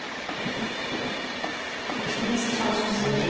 すごい厳しさを感じますね。